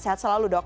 sehat selalu dok